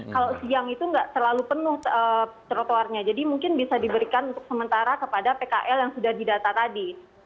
kalau siang itu nggak terlalu penuh trotoarnya jadi mungkin bisa diberikan untuk sementara kepada pkl yang sudah didata tadi